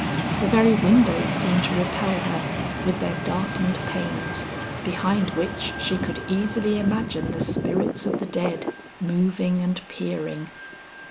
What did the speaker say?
The very windows seemed to repel her with their darkened panes, behind which she could easily imagine the spirits of the dead, moving and peering.